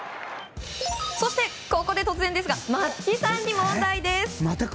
そしてここで突然ですが松木さんに問題です。